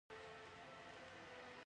تل دې وي افغانستان